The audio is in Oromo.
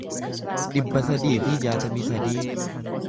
dhibba sadii fi jaatamii sadii